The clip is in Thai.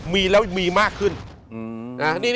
มีแล้วมีมากขึ้น